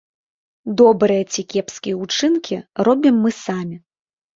Добрыя ці кепскія ўчынкі робім мы самі.